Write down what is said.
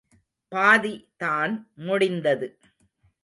பாதி தான் முடிந்தது.